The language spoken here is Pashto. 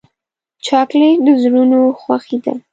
چاکلېټ د زړونو خوښي ده.